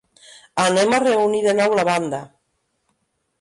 Anem a reunir de nou la banda!